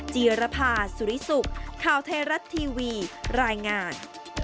จีรภาสุริสุขข่าวไทยรัฐทีวีรายงาน